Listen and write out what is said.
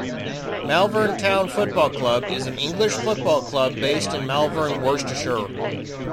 Malvern Town Football Club is an English football club based in Malvern, Worcestershire.